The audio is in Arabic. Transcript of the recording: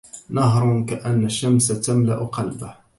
نهر كأن الشمس تملأ قلبه